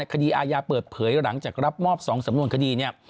ในคดีอายาเปิดเผยหลังจากรับมอบสองสำนวนคดี